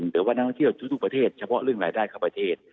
หรือว่านักท่องเที่ยวทุกประเทศเฉพาะเรื่องรายได้เข้าประเทศ